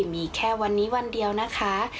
มีแค่วันนี้วันเดียวนะคะ